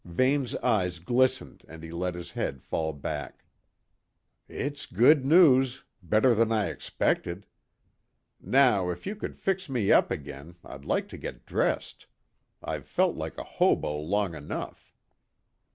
Vane's eyes glistened and he let his head fall back. "It's good news; better than I expected. Now if you could fix me up again, I'd like to get dressed. I've felt like a hobo long enough."